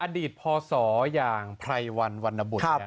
อดีตพอสอยางไพรวัลวรรณบุช